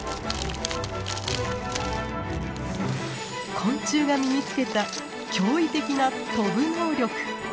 昆虫が身につけた驚異的な飛ぶ能力。